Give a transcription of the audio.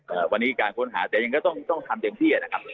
วันนี้การค้นหาแต่ยังก็ต้องต้องทำเต็มที่อ่ะนะครับ